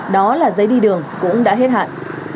đó là giấy đi đường cũng đã hết hạn